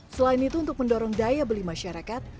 selain itu untuk mendorong daya beli masyarakat